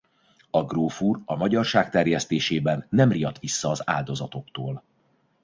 A gróf úr a magyarság terjesztésében nem riadt vissza az áldozatoktól.